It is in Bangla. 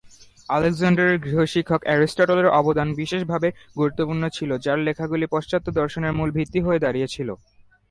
আলেকজান্ডারের গৃহশিক্ষক এরিস্টটলের অবদান বিশেষভাবে গুরুত্বপূর্ণ ছিল যার লেখাগুলি পাশ্চাত্য দর্শনের মূল ভিত্তি হয়ে দাঁড়িয়েছিল।